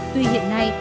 tuy hiện nay